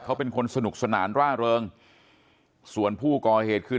เขาเป็นคนสนุกสนานร่าเริงส่วนผู้ก่อเหตุคือ